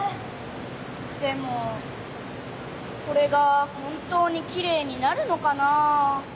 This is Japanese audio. でもこれが本当にきれいになるのかなあ？